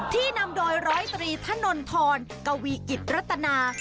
ที่นำโดย๑๐๓ถนนทรกวีกิจรัตนา